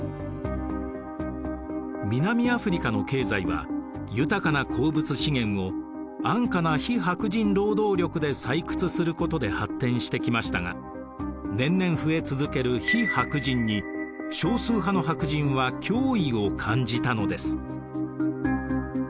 南アフリカの経済は豊かな鉱物資源を安価な非白人労働力で採掘することで発展してきましたが年々増え続ける非白人に少数派の白人は脅威を感じたのです。